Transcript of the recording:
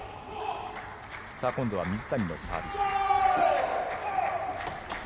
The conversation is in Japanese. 今度は水谷のサービス。